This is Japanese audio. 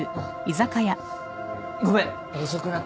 ごめん遅くなった。